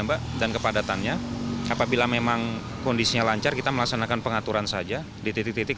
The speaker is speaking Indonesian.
mbak dan kepadatannya apabila memang kondisinya lancar kita melaksanakan pengaturan saja di titik titik